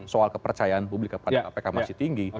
soal kepercayaan publik kepada kpk masih tinggi